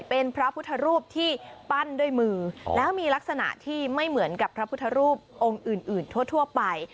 เป็นพระพุทธรูปที่ปั้นด้วยมือแล้วมีลักษณะที่ไม่เหมือนกับพระพุทธรูปองค์อื่นทั่วไป